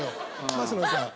升野さん。